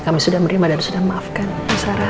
kami sudah menerima dan sudah memaafkan bu sara